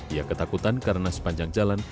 ia ketakutan karena sepanjang jalan